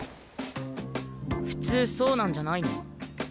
普通そうなんじゃないの？